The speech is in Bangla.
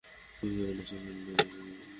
তুমি কেমন আছো জিন্নাত?